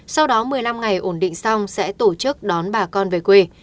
sau đó một mươi năm ngày ổn định xong sẽ tổ chức đón bà con về quê